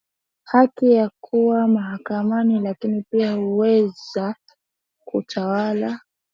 haki ya kuwa mahakamani lakini pia hakuweza kutawala